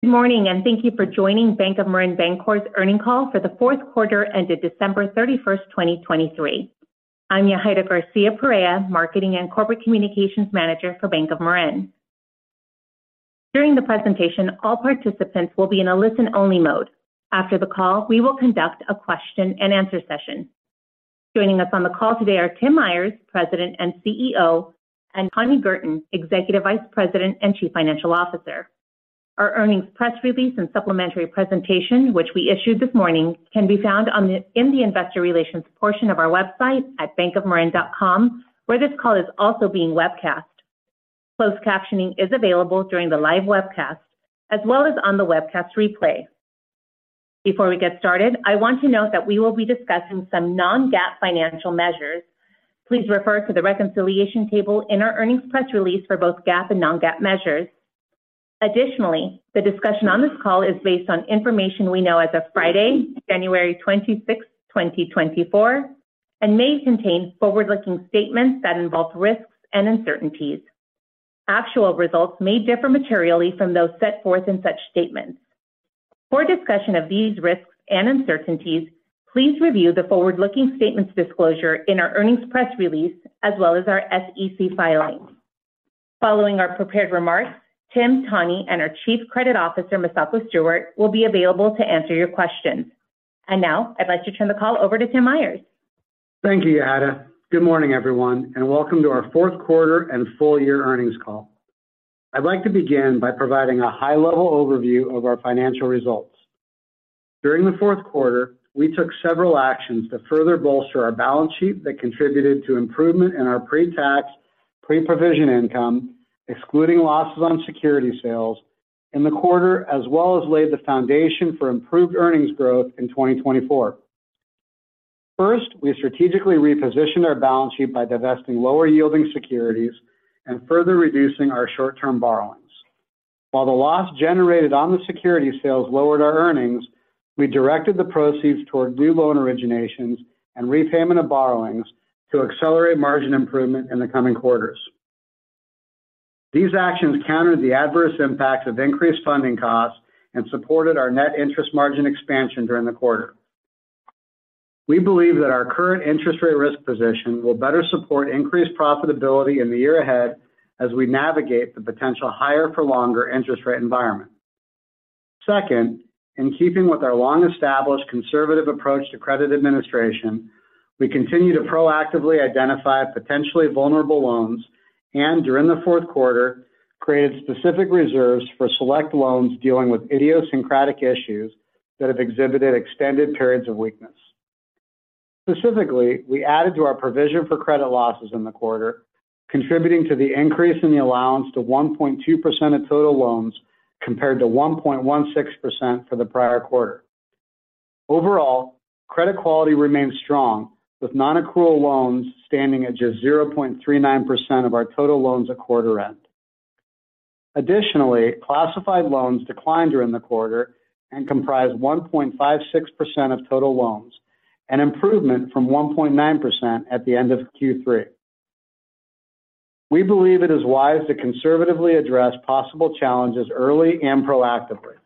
Good morning and thank you for joining Bank of Marin Bancorp's earnings call for the fourth quarter ended December 31, 2023. I'm Yahaira Garcia-Perea, Marketing and Corporate Communications Manager for Bank of Marin. During the presentation, all participants will be in a listen-only mode. After the call, we will conduct a question-and-answer session. Joining us on the call today are Tim Myers, President and CEO, and Tani Girton, Executive Vice President and Chief Financial Officer. Our earnings press release and supplementary presentation, which we issued this morning, can be found in the investor relations portion of our website at bankofmarin.com, where this call is also being webcast. Closed captioning is available during the live webcast, as well as on the webcast replay. Before we get started, I want to note that we will be discussing some non-GAAP financial measures. Please refer to the reconciliation table in our earnings press release for both GAAP and non-GAAP measures. Additionally, the discussion on this call is based on information we know as of Friday, January 26, 2024, and may contain forward-looking statements that involve risks and uncertainties. Actual results may differ materially from those set forth in such statements. For discussion of these risks and uncertainties, please review the forward-looking statements disclosure in our earnings press release, as well as our SEC filing. Following our prepared remarks, Tim, Tani, and our Chief Credit Officer, Misako Stewart, will be available to answer your questions. Now, I'd like to turn the call over to Tim Myers. Thank you, Yahaira. Good morning, everyone, and welcome to our fourth quarter and full-year earnings call. I'd like to begin by providing a high-level overview of our financial results. During the fourth quarter, we took several actions to further bolster our balance sheet that contributed to improvement in our pre-tax, pre-provision income, excluding losses on securities sales in the quarter, as well as laid the foundation for improved earnings growth in 2024. First, we strategically repositioned our balance sheet by divesting lower-yielding securities and further reducing our short-term borrowings. While the loss generated on the securities sales lowered our earnings, we directed the proceeds toward new loan originations and repayment of borrowings to accelerate margin improvement in the coming quarters. These actions countered the adverse impacts of increased funding costs and supported our net interest margin expansion during the quarter. We believe that our current interest rate risk position will better support increased profitability in the year ahead as we navigate the potential higher-for-longer interest rate environment. Second, in keeping with our long-established conservative approach to credit administration, we continue to proactively identify potentially vulnerable loans and, during the fourth quarter, created specific reserves for select loans dealing with idiosyncratic issues that have exhibited extended periods of weakness. Specifically, we added to our provision for credit losses in the quarter, contributing to the increase in the allowance to 1.2% of total loans compared to 1.16% for the prior quarter. Overall, credit quality remains strong, with non-accrual loans standing at just 0.39% of our total loans at quarter-end. Additionally, classified loans declined during the quarter and comprised 1.56% of total loans, an improvement from 1.9% at the end of Q3. We believe it is wise to conservatively address possible challenges early and proactively.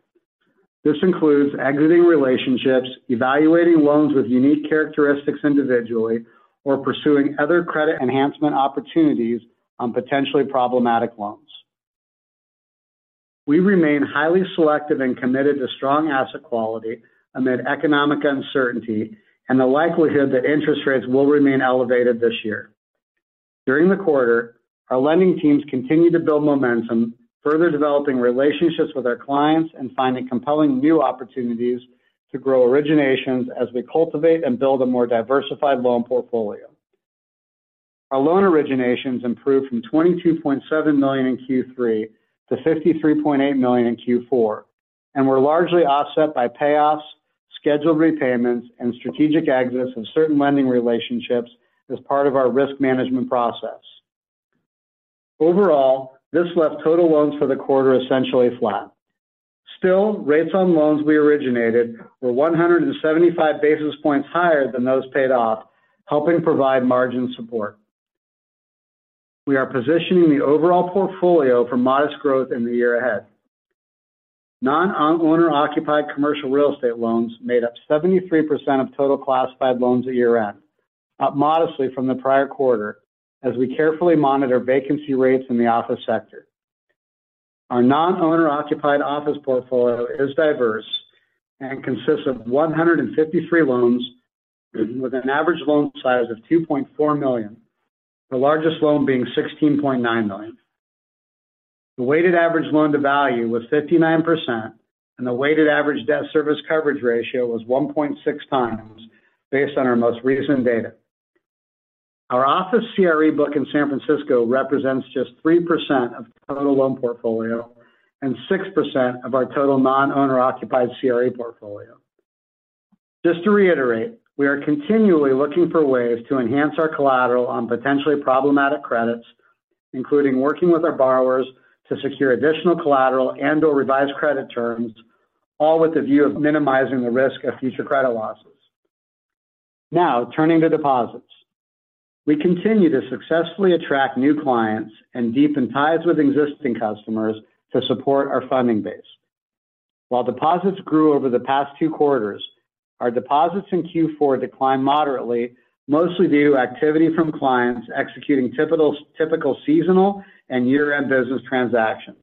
This includes exiting relationships, evaluating loans with unique characteristics individually, or pursuing other credit enhancement opportunities on potentially problematic loans. We remain highly selective and committed to strong asset quality amid economic uncertainty and the likelihood that interest rates will remain elevated this year. During the quarter, our lending teams continue to build momentum, further developing relationships with our clients and finding compelling new opportunities to grow originations as we cultivate and build a more diversified loan portfolio. Our loan originations improved from $22.7 million in Q3 to $53.8 million in Q4, and we're largely offset by payoffs, scheduled repayments, and strategic exits of certain lending relationships as part of our risk management process. Overall, this left total loans for the quarter essentially flat. Still, rates on loans we originated were 175 basis points higher than those paid off, helping provide margin support. We are positioning the overall portfolio for modest growth in the year ahead. Non-owner-occupied commercial real estate loans made up 73% of total classified loans at year-end, up modestly from the prior quarter as we carefully monitor vacancy rates in the office sector. Our non-owner-occupied office portfolio is diverse and consists of 153 loans with an average loan size of $2.4 million, the largest loan being $16.9 million. The weighted average loan to value was 59%, and the weighted average debt service coverage ratio was 1.6 times based on our most recent data. Our office CRE book in San Francisco represents just 3% of total loan portfolio and 6% of our total non-owner-occupied CRE portfolio. Just to reiterate, we are continually looking for ways to enhance our collateral on potentially problematic credits, including working with our borrowers to secure additional collateral and/or revise credit terms, all with the view of minimizing the risk of future credit losses. Now, turning to deposits. We continue to successfully attract new clients and deepen ties with existing customers to support our funding base. While deposits grew over the past two quarters, our deposits in Q4 declined moderately, mostly due to activity from clients executing typical seasonal and year-end business transactions.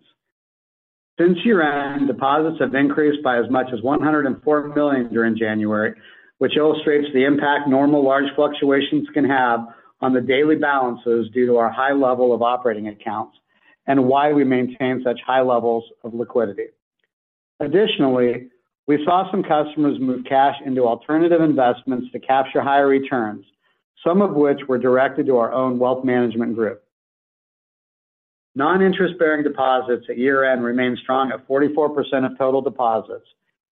Since year-end, deposits have increased by as much as $104 million during January, which illustrates the impact normal large fluctuations can have on the daily balances due to our high level of operating accounts and why we maintain such high levels of liquidity. Additionally, we saw some customers move cash into alternative investments to capture higher returns, some of which were directed to our own wealth management group. Non-interest-bearing deposits at year-end remain strong at 44% of total deposits,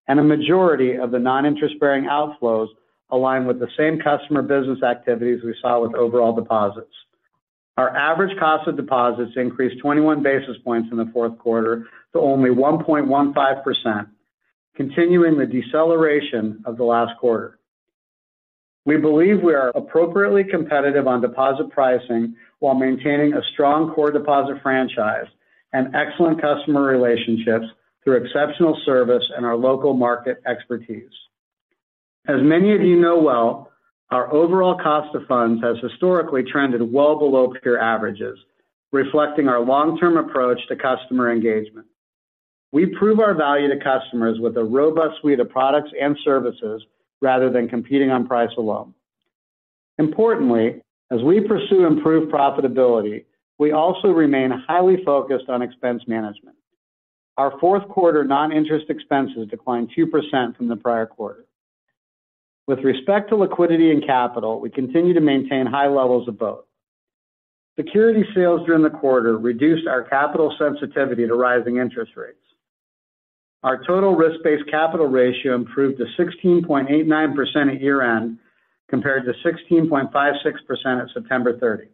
and a majority of the non-interest-bearing outflows align with the same customer business activities we saw with overall deposits. Our average cost of deposits increased 21 basis points in the fourth quarter to only 1.15%, continuing the deceleration of the last quarter. We believe we are appropriately competitive on deposit pricing while maintaining a strong core deposit franchise and excellent customer relationships through exceptional service and our local market expertise. As many of you know well, our overall cost of funds has historically trended well below peer averages, reflecting our long-term approach to customer engagement. We prove our value to customers with a robust suite of products and services rather than competing on price alone. Importantly, as we pursue improved profitability, we also remain highly focused on expense management. Our fourth quarter non-interest expenses declined 2% from the prior quarter. With respect to liquidity and capital, we continue to maintain high levels of both. Securities sales during the quarter reduced our capital sensitivity to rising interest rates. Our total risk-based capital ratio improved to 16.89% at year-end compared to 16.56% at September 30.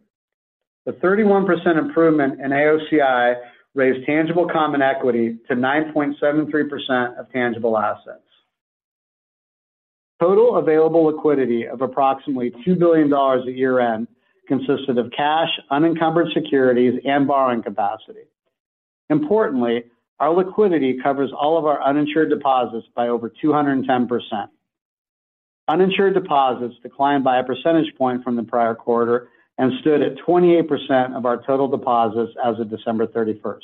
The 31% improvement in AOCI raised tangible common equity to 9.73% of tangible assets. Total available liquidity of approximately $2 billion at year-end consisted of cash, unencumbered securities, and borrowing capacity. Importantly, our liquidity covers all of our uninsured deposits by over 210%. Uninsured deposits declined by a percentage point from the prior quarter and stood at 28% of our total deposits as of December 31.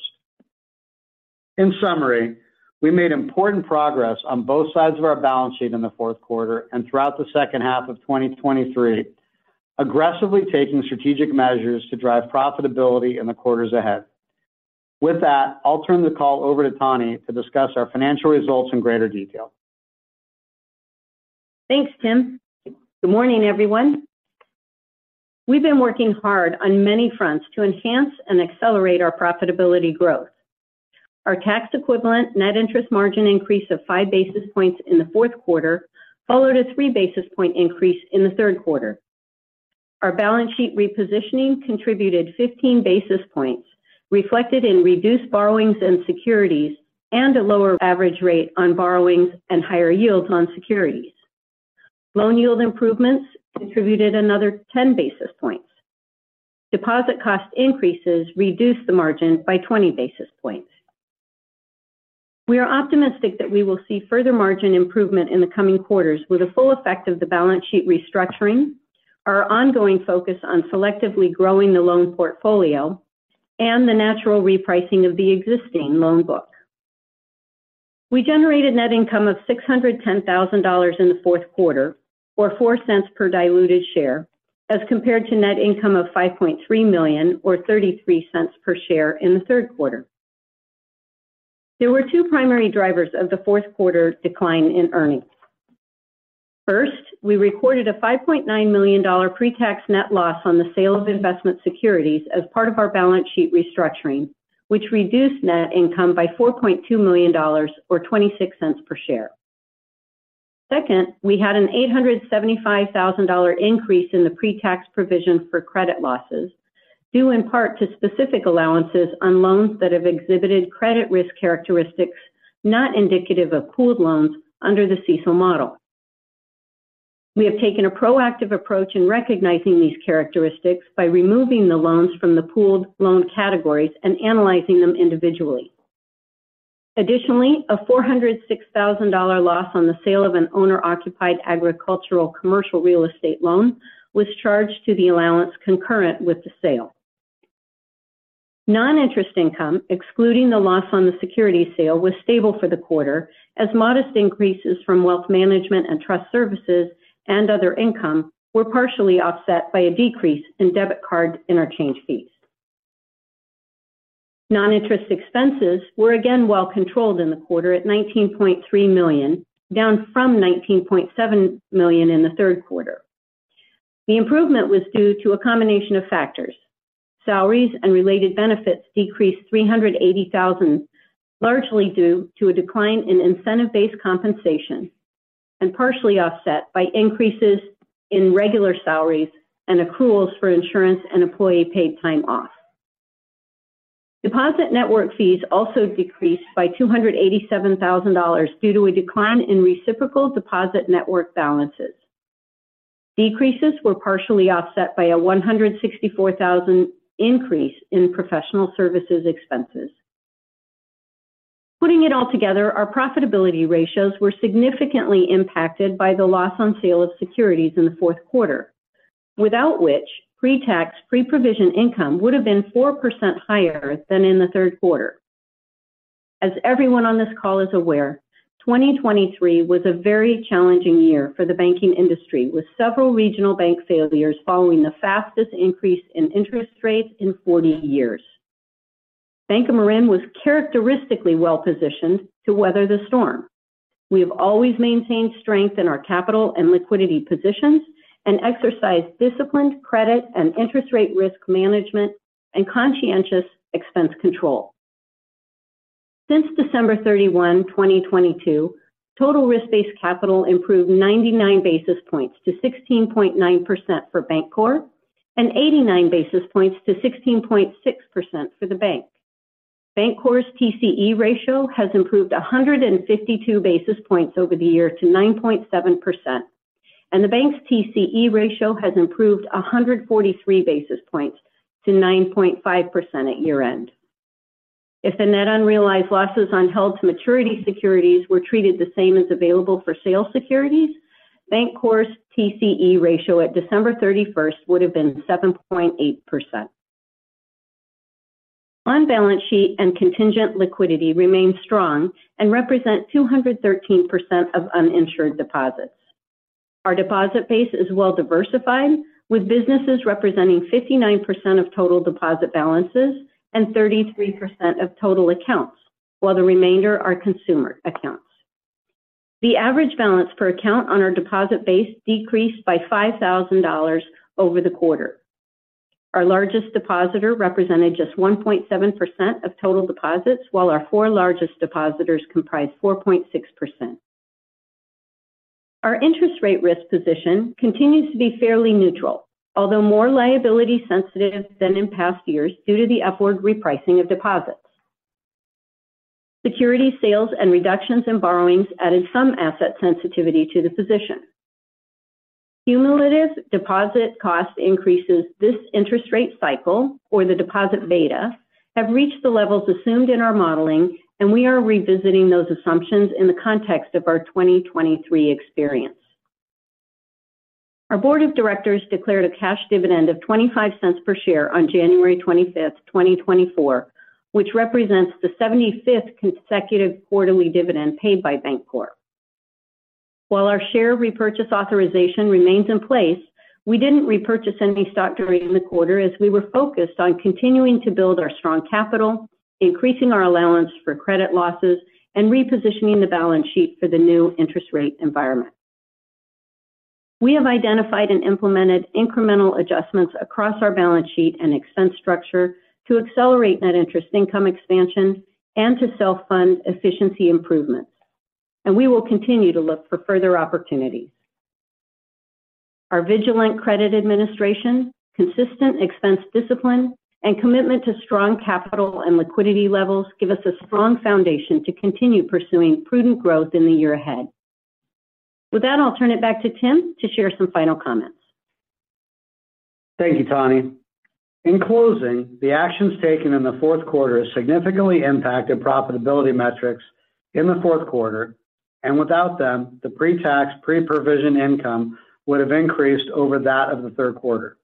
In summary, we made important progress on both sides of our balance sheet in the fourth quarter and throughout the second half of 2023, aggressively taking strategic measures to drive profitability in the quarters ahead. With that, I'll turn the call over to Tani to discuss our financial results in greater detail. Thanks, Tim. Good morning, everyone. We've been working hard on many fronts to enhance and accelerate our profitability growth. Our tax-equivalent net interest margin increase of 5 basis points in the fourth quarter followed a 3 basis point increase in the third quarter. Our balance sheet repositioning contributed 15 basis points, reflected in reduced borrowings and securities and a lower average rate on borrowings and higher yields on securities. Loan yield improvements contributed another 10 basis points. Deposit cost increases reduced the margin by 20 basis points. We are optimistic that we will see further margin improvement in the coming quarters with the full effect of the balance sheet restructuring, our ongoing focus on selectively growing the loan portfolio, and the natural repricing of the existing loan book. We generated net income of $610,000 in the fourth quarter, or $0.04 per diluted share, as compared to net income of $5.3 million, or $0.33 per share, in the third quarter. There were two primary drivers of the fourth quarter decline in earnings. First, we recorded a $5.9 million pre-tax net loss on the sale of investment securities as part of our balance sheet restructuring, which reduced net income by $4.2 million, or $0.26 per share. Second, we had an $875,000 increase in the pre-tax provision for credit losses, due in part to specific allowances on loans that have exhibited credit risk characteristics not indicative of pooled loans under the CECL model. We have taken a proactive approach in recognizing these characteristics by removing the loans from the pooled loan categories and analyzing them individually. Additionally, a $406,000 loss on the sale of an owner-occupied agricultural commercial real estate loan was charged to the allowance concurrent with the sale. Noninterest income, excluding the loss on the securities sale, was stable for the quarter, as modest increases from wealth management and trust services and other income were partially offset by a decrease in debit card interchange fees. Noninterest expenses were again well controlled in the quarter at $19.3 million, down from $19.7 million in the third quarter. The improvement was due to a combination of factors. Salaries and related benefits decreased $380,000, largely due to a decline in incentive-based compensation and partially offset by increases in regular salaries and accruals for insurance and employee-paid time off. Deposit network fees also decreased by $287,000 due to a decline in reciprocal deposit network balances. Decreases were partially offset by a $164,000 increase in professional services expenses. Putting it all together, our profitability ratios were significantly impacted by the loss on sale of securities in the fourth quarter, without which pre-tax pre-provision income would have been 4% higher than in the third quarter. As everyone on this call is aware, 2023 was a very challenging year for the banking industry, with several regional bank failures following the fastest increase in interest rates in 40 years. Bank of Marin was characteristically well positioned to weather the storm. We have always maintained strength in our capital and liquidity positions and exercised disciplined credit and interest rate risk management and conscientious expense control. Since December 31, 2022, total risk-based capital improved 99 basis points to 16.9% for Bancorp and 89 basis points to 16.6% for the bank. Bancorp's TCE ratio has improved 152 basis points over the year to 9.7%, and the bank's TCE ratio has improved 143 basis points to 9.5% at year-end. If the net unrealized losses on held-to-maturity securities were treated the same as available for sale securities, Bancorp's TCE ratio at December 31 would have been 7.8%. On-balance sheet and contingent liquidity remain strong and represent 213% of uninsured deposits. Our deposit base is well diversified, with businesses representing 59% of total deposit balances and 33% of total accounts, while the remainder are consumer accounts. The average balance per account on our deposit base decreased by $5,000 over the quarter. Our largest depositor represented just 1.7% of total deposits, while our four largest depositors comprised 4.6%. Our interest rate risk position continues to be fairly neutral, although more liability-sensitive than in past years due to the upward repricing of deposits. Security sales and reductions in borrowings added some asset sensitivity to the position. Cumulative deposit cost increases this interest rate cycle, or the deposit beta, have reached the levels assumed in our modeling, and we are revisiting those assumptions in the context of our 2023 experience. Our board of directors declared a cash dividend of $0.25 per share on January 25, 2024, which represents the 75th consecutive quarterly dividend paid by Bancorp. While our share repurchase authorization remains in place, we didn't repurchase any stock during the quarter as we were focused on continuing to build our strong capital, increasing our allowance for credit losses, and repositioning the balance sheet for the new interest rate environment. We have identified and implemented incremental adjustments across our balance sheet and expense structure to accelerate net interest income expansion and to self-fund efficiency improvement, and we will continue to look for further opportunities. Our vigilant credit administration, consistent expense discipline, and commitment to strong capital and liquidity levels give us a strong foundation to continue pursuing prudent growth in the year ahead. With that, I'll turn it back to Tim to share some final comments. Thank you, Tani. In closing, the actions taken in the fourth quarter significantly impacted profitability metrics in the fourth quarter, and without them, the pre-tax pre-provision income would have increased over that of the third quarter.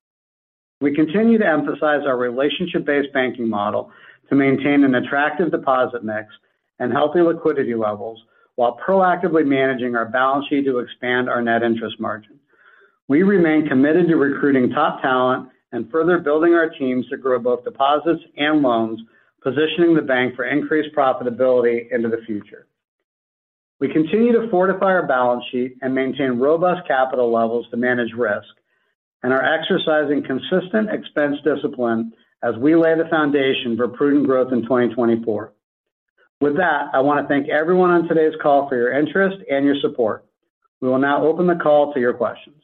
We continue to emphasize our relationship-based banking model to maintain an attractive deposit mix and healthy liquidity levels while proactively managing our balance sheet to expand our net interest margin. We remain committed to recruiting top talent and further building our teams to grow both deposits and loans, positioning the bank for increased profitability into the future. We continue to fortify our balance sheet and maintain robust capital levels to manage risk, and are exercising consistent expense discipline as we lay the foundation for prudent growth in 2024. With that, I want to thank everyone on today's call for your interest and your support. We will now open the call to your questions.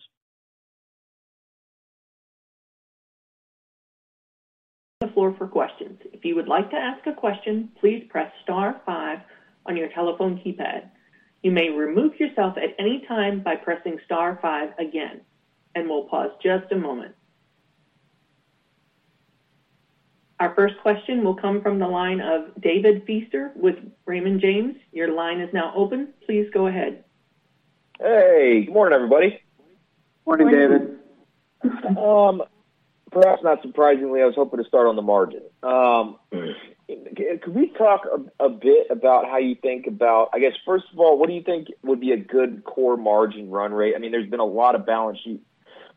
The floor for questions. If you would like to ask a question, please press star five on your telephone keypad. You may remove yourself at any time by pressing star five again, and we'll pause just a moment. Our first question will come from the line of David Feaster with Raymond James. Your line is now open. Please go ahead. Hey, good morning, everybody. Morning, David. Perhaps not surprisingly, I was hoping to start on the margin. Could we talk a bit about how you think about, I guess, first of all, what do you think would be a good core margin run rate? I mean, there's been a lot of balance sheet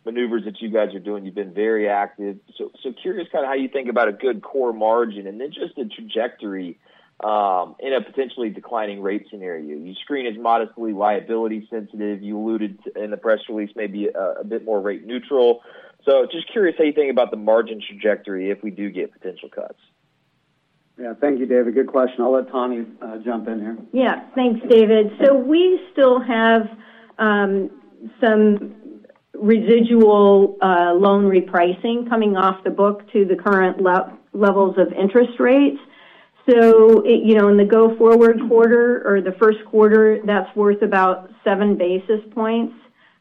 maneuvers that you guys are doing. You've been very active. So curious kind of how you think about a good core margin and then just the trajectory in a potentially declining rate scenario. Your screen is modestly liability-sensitive. You alluded in the press release maybe a bit more rate neutral. So just curious how you think about the margin trajectory if we do get potential cuts. Yeah, thank you, David. Good question. I'll let Tani jump in here. Yeah, thanks, David. So we still have some residual loan repricing coming off the book to the current levels of interest rates. So in the go-forward quarter or the first quarter, that's worth about seven basis points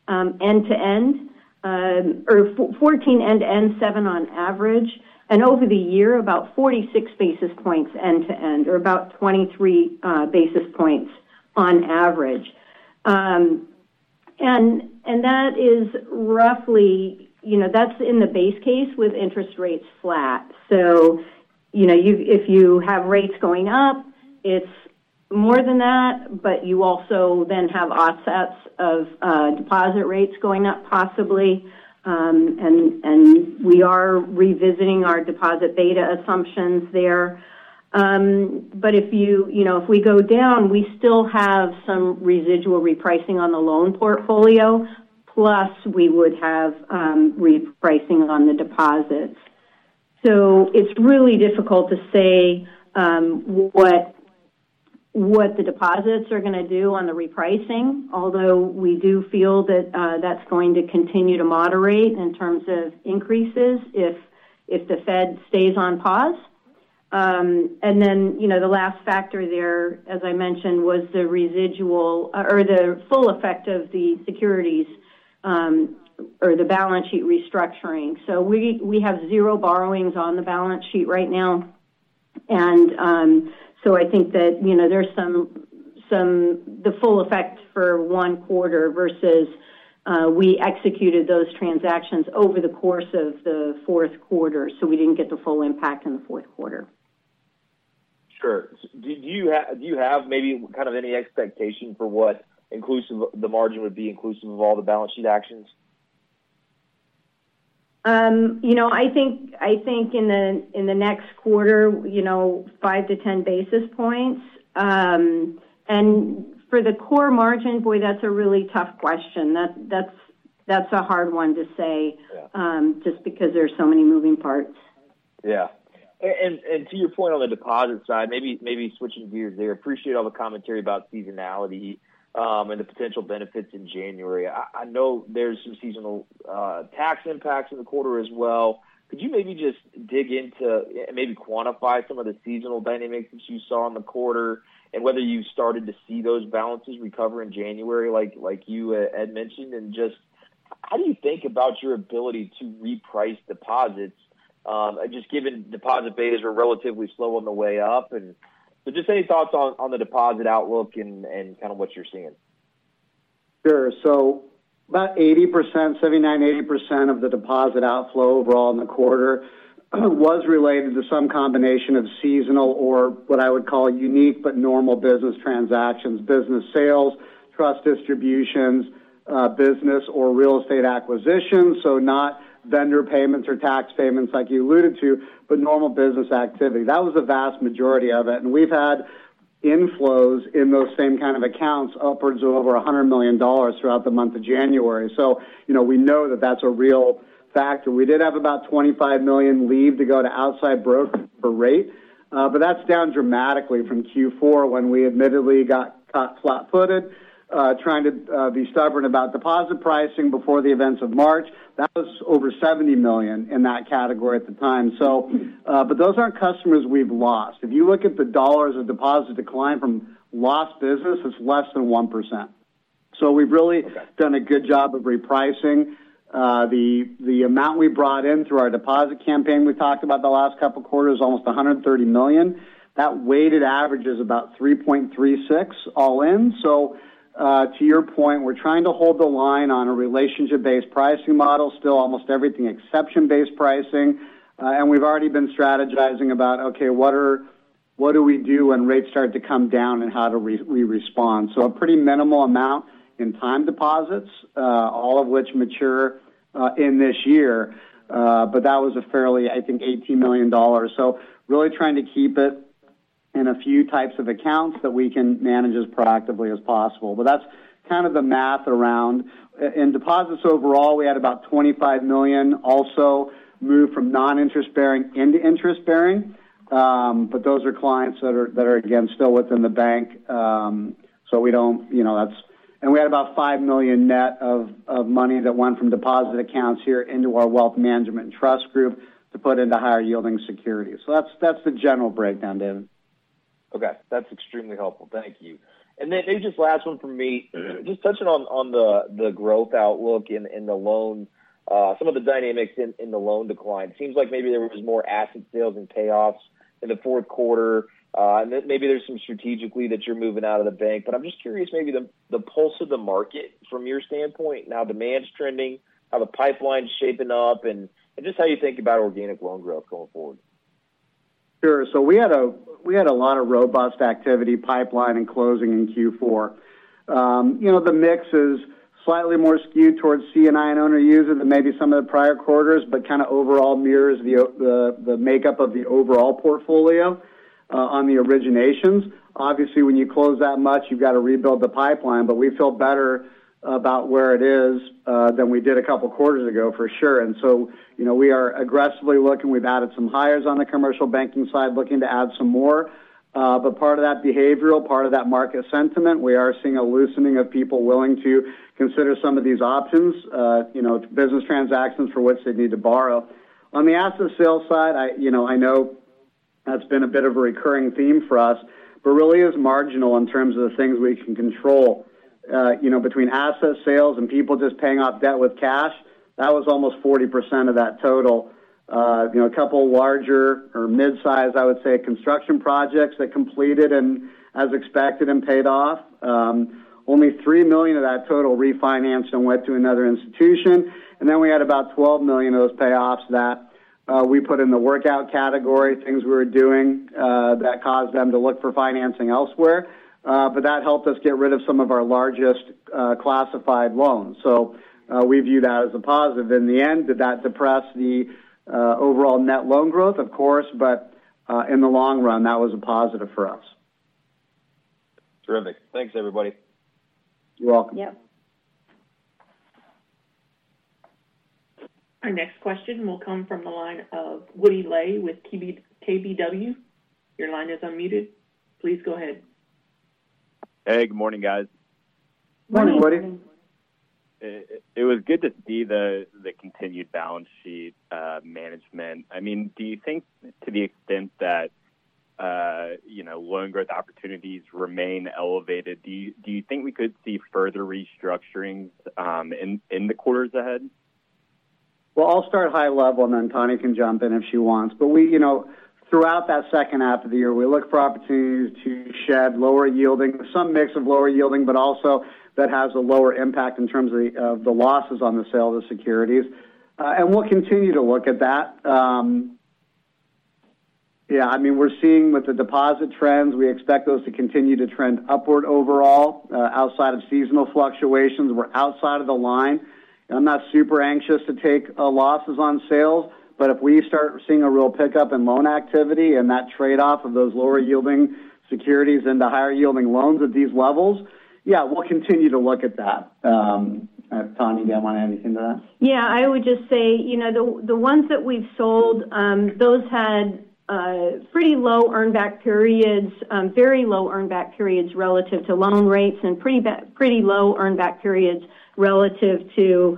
end-to-end, or 14 end-to-end, seven on average. And over the year, about 46 basis points end-to-end, or about 23 basis points on average. And that is roughly, that's in the base case with interest rates flat. So if you have rates going up, it's more than that, but you also then have offsets of deposit rates going up possibly. And we are revisiting our deposit beta assumptions there. But if we go down, we still have some residual repricing on the loan portfolio, plus we would have repricing on the deposits. So it's really difficult to say what the deposits are going to do on the repricing, although we do feel that that's going to continue to moderate in terms of increases if the Fed stays on pause. And then the last factor there, as I mentioned, was the residual or the full effect of the securities or the balance sheet restructuring. So we have 0 borrowings on the balance sheet right now. And so I think that there's the full effect for one quarter versus we executed those transactions over the course of the fourth quarter, so we didn't get the full impact in the fourth quarter. Sure. Do you have maybe kind of any expectation for what the margin would be inclusive of all the balance sheet actions? I think in the next quarter, 5-10 basis points. For the core margin, boy, that's a really tough question. That's a hard one to say just because there's so many moving parts. Yeah. And to your point on the deposit side, maybe switching gears there, appreciate all the commentary about seasonality and the potential benefits in January. I know there's some seasonal tax impacts in the quarter as well. Could you maybe just dig into and maybe quantify some of the seasonal dynamics that you saw in the quarter and whether you started to see those balances recover in January, like you, Ed, mentioned? And just how do you think about your ability to reprice deposits, just given deposit betas are relatively slow on the way up? And just any thoughts on the deposit outlook and kind of what you're seeing? Sure. So about 80%, 79%-80% of the deposit outflow overall in the quarter was related to some combination of seasonal or what I would call unique but normal business transactions, business sales, trust distributions, business or real estate acquisitions. So not vendor payments or tax payments like you alluded to, but normal business activity. That was the vast majority of it. And we've had inflows in those same kind of accounts upwards of over $100 million throughout the month of January. So we know that that's a real factor. We did have about $25 million leave to go to outside broker rate. But that's down dramatically from Q4 when we admittedly got caught flat-footed trying to be stubborn about deposit pricing before the events of March. That was over $70 million in that category at the time. But those aren't customers we've lost. If you look at the dollars of deposit decline from lost business, it's less than 1%. So we've really done a good job of repricing. The amount we brought in through our deposit campaign we talked about the last couple of quarters is almost $130 million. That weighted average is about 3.36 all in. So to your point, we're trying to hold the line on a relationship-based pricing model, still almost everything exception-based pricing. And we've already been strategizing about, okay, what do we do when rates start to come down and how to respond? So a pretty minimal amount in time deposits, all of which mature in this year. But that was a fairly, I think, $18 million. So really trying to keep it in a few types of accounts that we can manage as proactively as possible. But that's kind of the math around. In deposits overall, we had about $25 million also move from non-interest bearing into interest bearing. But those are clients that are, again, still within the bank. So we don't and we had about $5 million net of money that went from deposit accounts here into our wealth management trust group to put into higher yielding securities. So that's the general breakdown, David. Okay. That's extremely helpful. Thank you. And then just last one from me, just touching on the growth outlook and some of the dynamics in the loan decline. It seems like maybe there was more asset sales and payoffs in the fourth quarter. And maybe there's some strategically that you're moving out of the bank. But I'm just curious maybe the pulse of the market from your standpoint, now demand's trending, how the pipeline's shaping up, and just how you think about organic loan growth going forward. Sure. So we had a lot of robust activity pipeline and closing in Q4. The mix is slightly more skewed towards C&I and owner user than maybe some of the prior quarters, but kind of overall mirrors the makeup of the overall portfolio on the originations. Obviously, when you close that much, you've got to rebuild the pipeline, but we feel better about where it is than we did a couple of quarters ago, for sure. And so we are aggressively looking. We've added some hires on the commercial banking side, looking to add some more. But part of that behavioral, part of that market sentiment, we are seeing a loosening of people willing to consider some of these options, business transactions for which they need to borrow. On the asset sale side, I know that's been a bit of a recurring theme for us, but really is marginal in terms of the things we can control. Between asset sales and people just paying off debt with cash, that was almost 40% of that total. A couple larger or midsize, I would say, construction projects that completed and as expected and paid off. Only $3 million of that total refinanced and went to another institution. And then we had about $12 million of those payoffs that we put in the workout category, things we were doing that caused them to look for financing elsewhere. But that helped us get rid of some of our largest classified loans. So we view that as a positive. In the end, did that depress the overall net loan growth? Of course, but in the long run, that was a positive for us. Terrific. Thanks, everybody. You're welcome. Yep. Our next question will come from the line of Woody Lay with KBW. Your line is unmuted. Please go ahead. Hey, good morning, guys. Morning, Woody. It was good to see the continued balance sheet management. I mean, do you think to the extent that loan growth opportunities remain elevated, do you think we could see further restructuring in the quarters ahead? Well, I'll start high level and then Tani can jump in if she wants. But throughout that second half of the year, we look for opportunities to shed lower yielding, some mix of lower yielding, but also that has a lower impact in terms of the losses on the sale of the securities. And we'll continue to look at that. Yeah, I mean, we're seeing with the deposit trends, we expect those to continue to trend upward overall outside of seasonal fluctuations. We're outside of the line. I'm not super anxious to take losses on sales, but if we start seeing a real pickup in loan activity and that trade-off of those lower yielding securities into higher yielding loans at these levels, yeah, we'll continue to look at that. Tani, do you have anything to add to that? Yeah, I would just say the ones that we've sold, those had pretty low earnback periods, very low earnback periods relative to loan rates and pretty low earnback periods relative to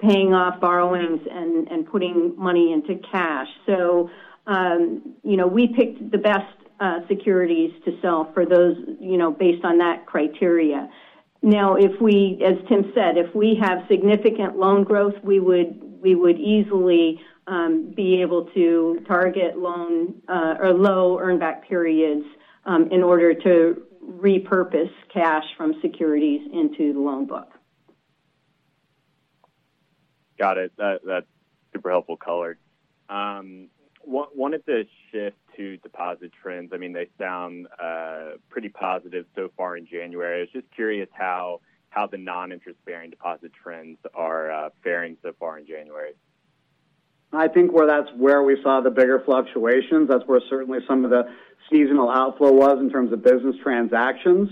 paying off borrowings and putting money into cash. So we picked the best securities to sell for those based on that criteria. Now, as Tim said, if we have significant loan growth, we would easily be able to target loan or low earnback periods in order to repurpose cash from securities into the loan book. Got it. That's super helpful color. Wanted to shift to deposit trends. I mean, they sound pretty positive so far in January. I was just curious how the non-interest bearing deposit trends are faring so far in January. I think where that's where we saw the bigger fluctuations, that's where certainly some of the seasonal outflow was in terms of business transactions,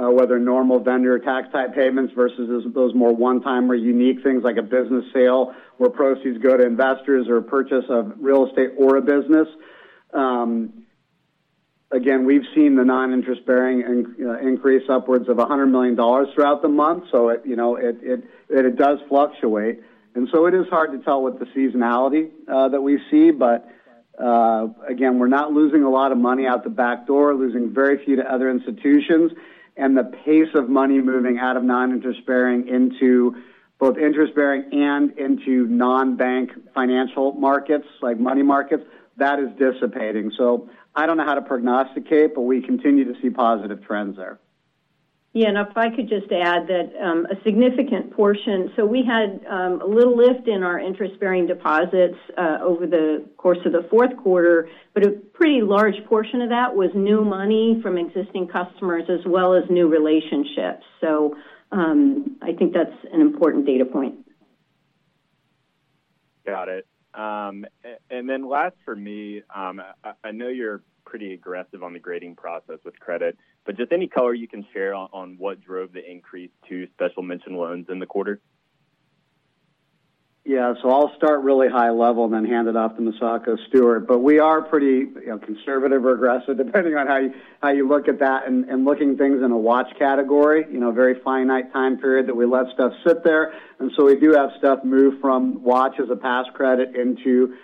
whether normal vendor tax-type payments versus those more one-time or unique things like a business sale where proceeds go to investors or a purchase of real estate or a business. Again, we've seen the non-interest bearing increase upwards of $100 million throughout the month. So it does fluctuate. And so it is hard to tell what the seasonality that we see. But again, we're not losing a lot of money out the back door, losing very few to other institutions. And the pace of money moving out of non-interest bearing into both interest bearing and into non-bank financial markets, like money markets, that is dissipating. So I don't know how to prognosticate, but we continue to see positive trends there. Yeah. And if I could just add that a significant portion, so we had a little lift in our interest-bearing deposits over the course of the fourth quarter, but a pretty large portion of that was new money from existing customers as well as new relationships. So I think that's an important data point. Got it. And then last for me, I know you're pretty aggressive on the grading process with credit, but just any color you can share on what drove the increase to special mention loans in the quarter? Yeah. So I'll start really high level and then hand it off to Misako Stewart. But we are pretty conservative or aggressive depending on how you look at that and looking at things in a watch category, a very finite time period that we let stuff sit there. And so we do have stuff move from watch as a past credit into credit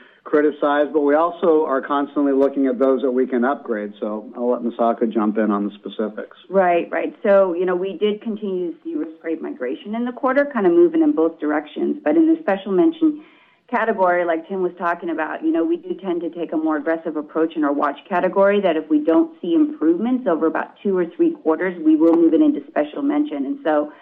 size. But we also are constantly looking at those that we can upgrade. So I'll let Misako jump in on the specifics. Right. Right. So we did continue to see great migration in the quarter, kind of moving in both directions. But in the special mention category, like Tim was talking about, we do tend to take a more aggressive approach in our watch category that if we don't see improvements over about two or three quarters, we will move it into special mention. And so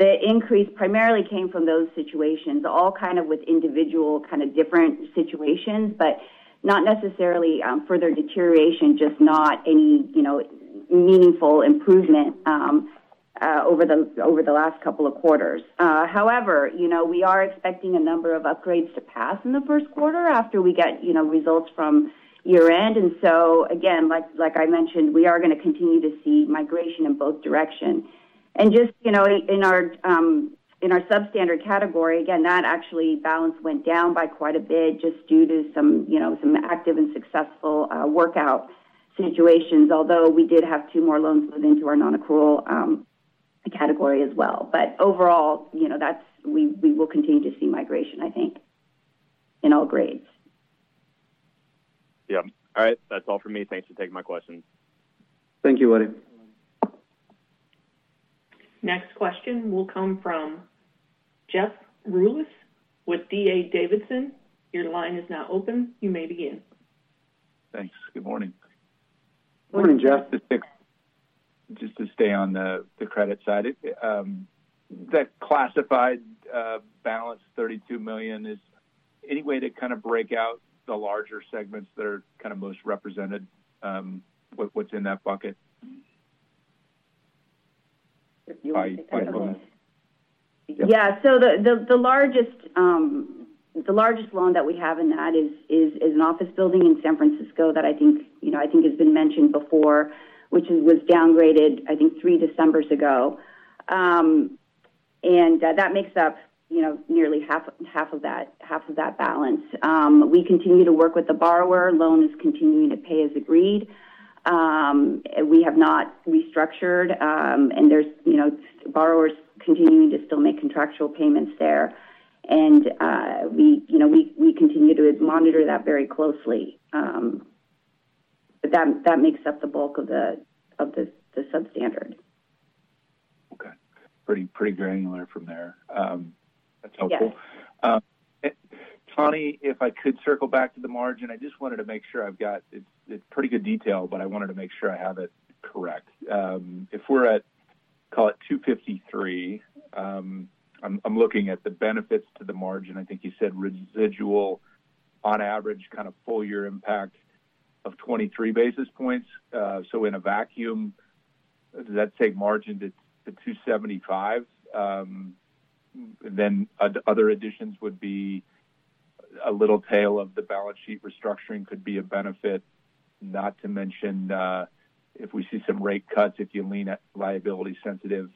the increase primarily came from those situations, all kind of with individual kind of different situations, but not necessarily further deterioration, just not any meaningful improvement over the last couple of quarters. However, we are expecting a number of upgrades to pass in the first quarter after we get results from year-end. And so again, like I mentioned, we are going to continue to see migration in both directions. Just in our substandard category, again, that actual balance went down by quite a bit just due to some active and successful workout situations, although we did have two more loans move into our non-accrual category as well. Overall, we will continue to see migration, I think, in all grades. Yep. All right. That's all for me. Thanks for taking my questions. Thank you, Woody. Next question will come from Jeff Rulis with D.A. Davidson. Your line is now open. You may begin. Thanks. Good morning. Good morning, Jeff. Just to stay on the credit side, that classified balance, $32 million, is any way to kind of break out the larger segments that are kind of most represented, what's in that bucket? If you want to take that a moment. Yeah. So the largest loan that we have in that is an office building in San Francisco that I think has been mentioned before, which was downgraded, I think, three Decembers ago. That makes up nearly half of that balance. We continue to work with the borrower. Loan is continuing to pay as agreed. We have not restructured. Borrowers are continuing to still make contractual payments there. We continue to monitor that very closely. But that makes up the bulk of the substandard. Okay. Pretty granular from there. That's helpful. Tani, if I could circle back to the margin, I just wanted to make sure I've got it in pretty good detail, but I wanted to make sure I have it correct. If we're at, call it, 253, I'm looking at the benefits to the margin. I think you said residual, on average, kind of full-year impact of 23 basis points. So in a vacuum, does that take margin to 275? Then other additions would be a little tail of the balance sheet restructuring could be a benefit, not to mention if we see some rate cuts, if you lean at liability-sensitive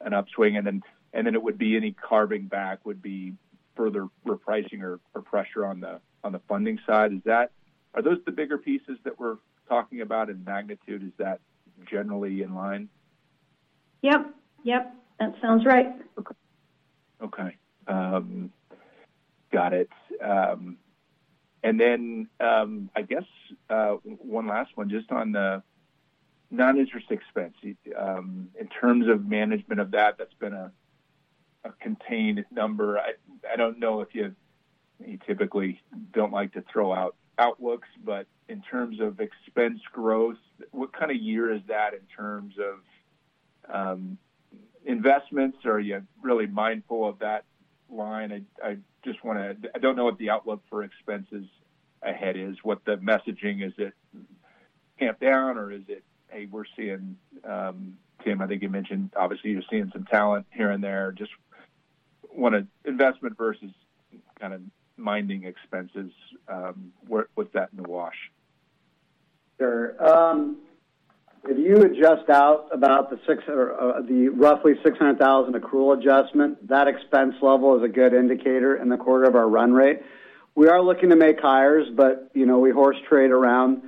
an upswing. And then it would be any carving back would be further repricing or pressure on the funding side. Are those the bigger pieces that we're talking about in magnitude? Is that generally in line? Yep. Yep. That sounds right. Okay. Got it. And then I guess one last one, just on the non-interest expense. In terms of management of that, that's been a contained number. I don't know if you typically don't like to throw out outlooks, but in terms of expense growth, what kind of year is that in terms of investments? Are you really mindful of that line? I don't know what the outlook for expenses ahead is. What the messaging is? Is it tamped down or is it, "Hey, we're seeing Tim, I think you mentioned, obviously, you're seeing some talent here and there." Just want to investment versus kind of minding expenses. What's that in the wash? Sure. If you adjust out about the roughly $600,000 accrual adjustment, that expense level is a good indicator in the quarter of our run rate. We are looking to make hires, but we horse trade around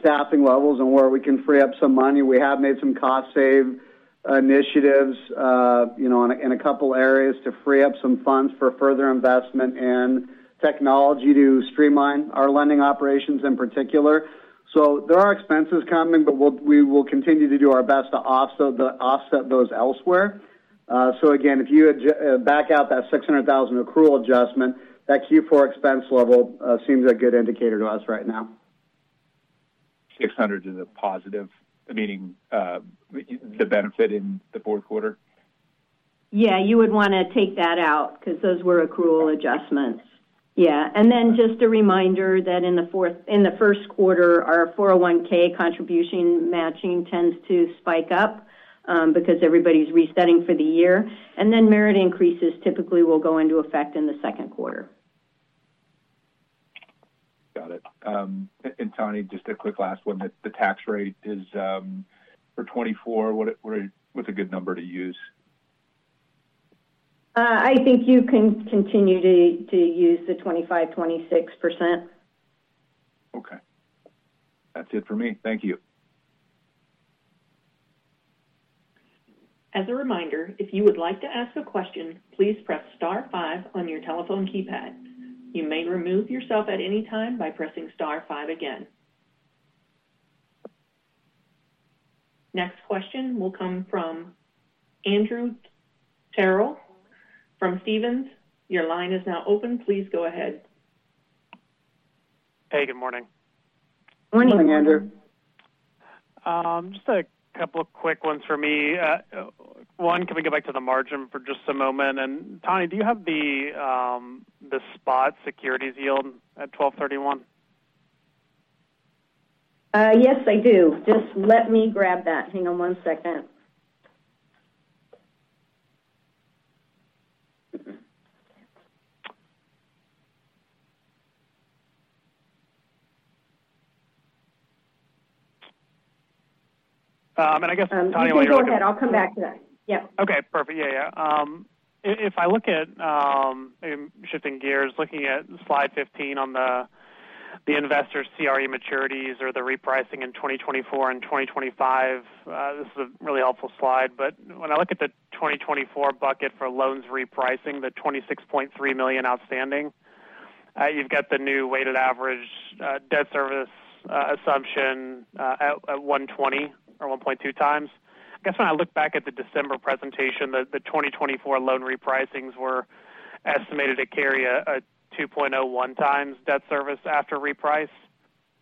staffing levels and where we can free up some money. We have made some cost-save initiatives in a couple of areas to free up some funds for further investment in technology to streamline our lending operations in particular. So there are expenses coming, but we will continue to do our best to offset those elsewhere. So again, if you back out that $600,000 accrual adjustment, that Q4 expense level seems a good indicator to us right now. 600 is a positive, meaning the benefit in the fourth quarter? Yeah. You would want to take that out because those were accrual adjustments. Yeah. And then just a reminder that in the first quarter, our 401(k) contribution matching tends to spike up because everybody's resetting for the year. And then merit increases typically will go into effect in the second quarter. Got it. Tani, just a quick last one. The tax rate is for 2024, what's a good number to use? I think you can continue to use the 25%-26%. Okay. That's it for me. Thank you. As a reminder, if you would like to ask a question, please press star five on your telephone keypad. You may remove yourself at any time by pressing star five again. Next question will come from Andrew Terrell. From Stephens, your line is now open. Please go ahead. Hey, good morning. Morning, Andrew. Just a couple of quick ones for me. One, can we go back to the margin for just a moment? Tani, do you have the spot securities yield at 12/31? Yes, I do. Just let me grab that. Hang on one second. I guess, Tani, while you're looking. You go ahead. I'll come back to that. Yeah. Okay. Perfect. Yeah, yeah. If I look at shifting gears, looking at slide 15 on the investor CRE maturities or the repricing in 2024 and 2025, this is a really helpful slide. But when I look at the 2024 bucket for loans repricing, the $26.3 million outstanding, you've got the new weighted average debt service assumption at 1.20 or 1.2x. I guess when I look back at the December presentation, the 2024 loan repricings were estimated to carry a 2.01x debt service after repriced.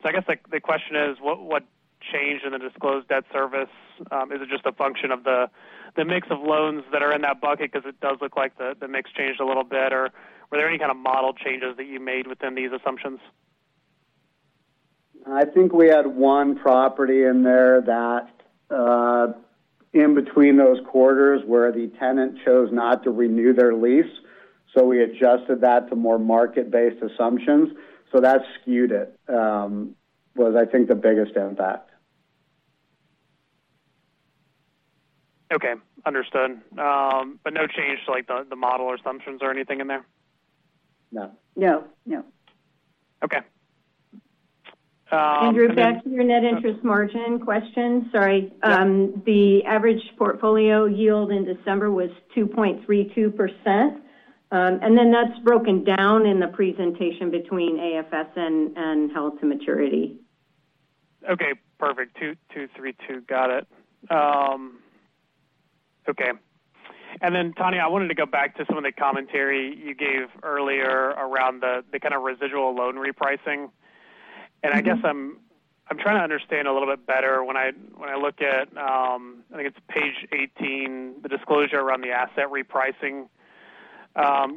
So I guess the question is, what changed in the disclosed debt service? Is it just a function of the mix of loans that are in that bucket because it does look like the mix changed a little bit? Or were there any kind of model changes that you made within these assumptions? I think we had one property in there that, in between those quarters, where the tenant chose not to renew their lease. So we adjusted that to more market-based assumptions. So that skewed it. It was, I think, the biggest impact. Okay. Understood. But no change to the model or assumptions or anything in there? No. No. No. Okay. Andrew, back to your net interest margin question. Sorry. The average portfolio yield in December was 2.32%. And then that's broken down in the presentation between AFS and held-to-maturity. Okay. Perfect. 232. Got it. Okay. And then, Tani, I wanted to go back to some of the commentary you gave earlier around the kind of residual loan repricing. And I guess I'm trying to understand a little bit better when I look at I think it's page 18, the disclosure around the asset repricing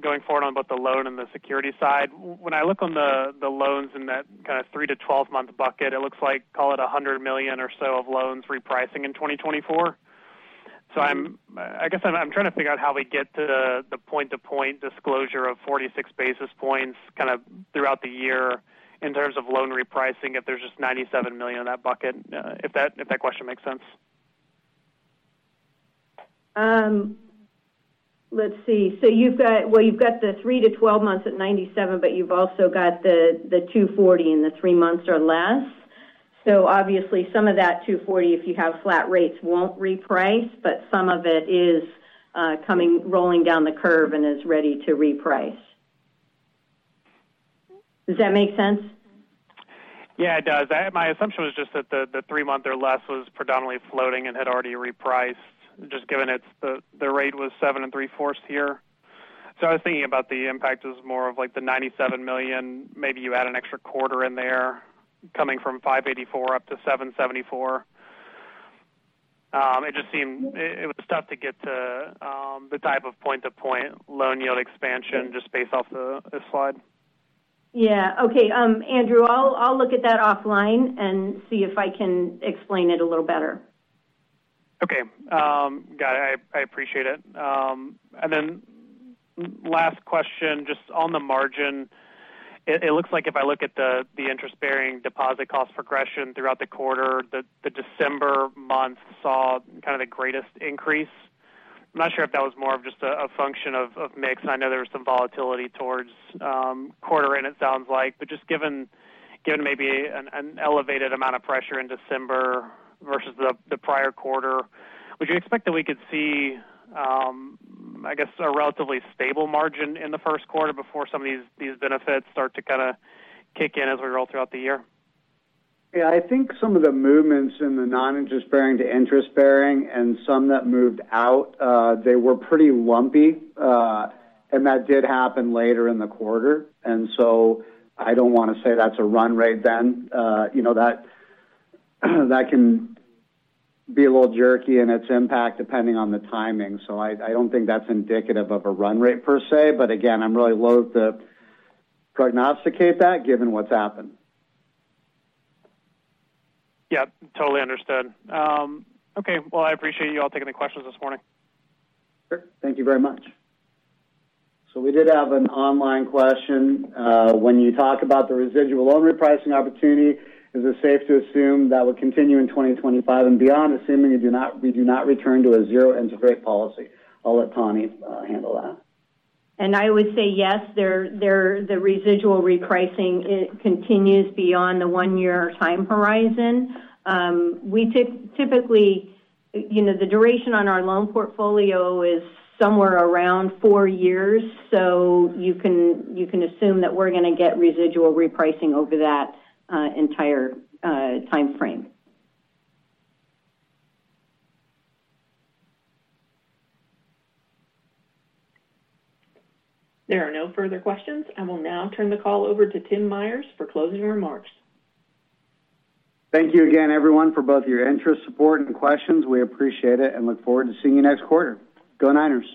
going forward on both the loan and the security side. When I look on the loans in that kind of 3-12-month bucket, it looks like, call it, $100 million or so of loans repricing in 2024. So I guess I'm trying to figure out how we get to the point-to-point disclosure of 46 basis points kind of throughout the year in terms of loan repricing if there's just $97 million in that bucket, if that question makes sense. Let's see. So well, you've got the 3-12 months at 97, but you've also got the $240 and the 3 months or less. So obviously, some of that $240, if you have flat rates, won't reprice, but some of it is coming rolling down the curve and is ready to reprice. Does that make sense? Yeah, it does. My assumption was just that the three-month or less was predominantly floating and had already repriced, just given the rate was 7.34 this year. So I was thinking about the impact as more of like the $97 million. Maybe you add an extra quarter in there coming from 584 up to 774. It just seemed it was tough to get to the type of point-to-point loan yield expansion just based off the slide. Yeah. Okay. Andrew, I'll look at that offline and see if I can explain it a little better. Okay. Got it. I appreciate it. And then last question, just on the margin, it looks like if I look at the interest-bearing deposit cost progression throughout the quarter, the December month saw kind of the greatest increase. I'm not sure if that was more of just a function of mix. And I know there was some volatility towards quarter-end, it sounds like. But just given maybe an elevated amount of pressure in December versus the prior quarter, would you expect that we could see, I guess, a relatively stable margin in the first quarter before some of these benefits start to kind of kick in as we roll throughout the year? Yeah. I think some of the movements in the non-interest-bearing to interest-bearing and some that moved out, they were pretty lumpy. And that did happen later in the quarter. And so I don't want to say that's a run rate then. That can be a little jerky in its impact depending on the timing. So I don't think that's indicative of a run rate per se. But again, I'm really loath to prognosticate that given what's happened. Yep. Totally understood. Okay. Well, I appreciate you all taking the questions this morning. Sure. Thank you very much. So we did have an online question. When you talk about the residual loan repricing opportunity, is it safe to assume that would continue in 2025 and beyond, assuming we do not return to a zero-interest rate policy? I'll let Tani handle that. I would say yes, the residual repricing, it continues beyond the one-year time horizon. Typically, the duration on our loan portfolio is somewhere around four years. You can assume that we're going to get residual repricing over that entire time frame. There are no further questions. I will now turn the call over to Tim Myers for closing remarks. Thank you again, everyone, for both your interest, support, and questions. We appreciate it and look forward to seeing you next quarter. Go Niners.